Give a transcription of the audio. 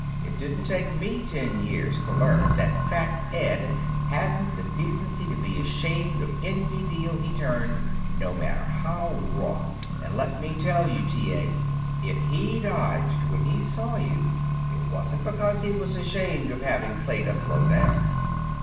It didn't take me ten years to learn that Fat Ed hadn't the decency to be ashamed of any deal he turned, no matter how raw. And let me tell you, T. A.: If he dodged when he saw you it wasn't because he was ashamed of having played us low down.